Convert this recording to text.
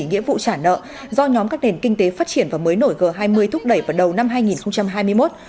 nghĩa vụ trả nợ do nhóm các nền kinh tế phát triển và mới nổi g hai mươi thúc đẩy vào đầu năm hai nghìn hai mươi một